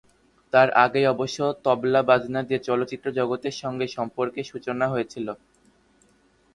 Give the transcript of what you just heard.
তার আগেই অবশ্য তবলা-বাজনা দিয়ে চলচ্চিত্র জগতের সঙ্গে সম্পর্কের সূচনা হয়েছিল।